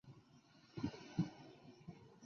再度生下小女婴